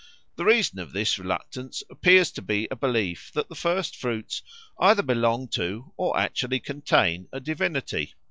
The reason of this reluctance appears to be a belief that the first fruits either belong to or actually contain a divinity.